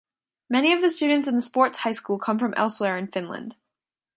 Many of the students in the Sports High School come from elsewhere in Finland.